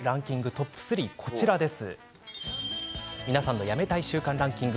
トップ３はこちらです。